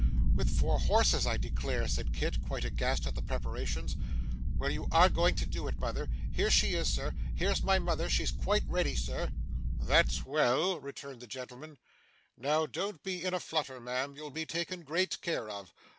'With four horses I declare!' said Kit, quite aghast at the preparations. 'Well you ARE going to do it, mother! Here she is, Sir. Here's my mother. She's quite ready, sir.' 'That's well,' returned the gentleman. 'Now, don't be in a flutter, ma'am; you'll be taken great care of.